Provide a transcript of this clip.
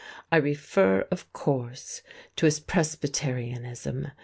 I refer, of course, to his Presbyterianism.